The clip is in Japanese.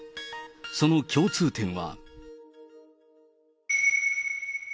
その共通点は。